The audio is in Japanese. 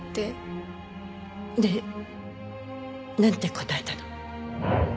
でなんて答えたの？